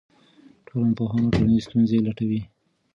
ټولنپوهان ټولنیزې ستونزې لټوي.